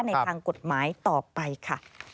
ในทางกฎหมายต่อไปค่ะ